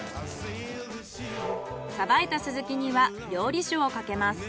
さばいたスズキには料理酒をかけます。